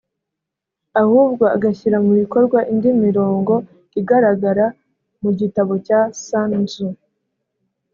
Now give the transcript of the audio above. ahubwo agashyira mu bikorwa indi mirongo igaragara mu gitabo cya Sun Tzu